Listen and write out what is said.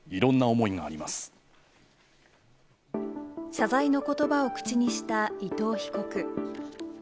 謝罪の言葉を口にした伊藤被告。